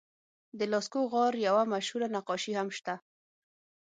د لاسکو غار یوه مشهور نقاشي هم شته.